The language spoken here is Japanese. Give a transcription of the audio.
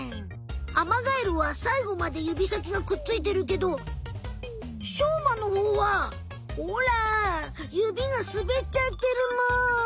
アマガエルはさいごまでゆびさきがくっついてるけどしょうまのほうはほらゆびがすべっちゃってるむ。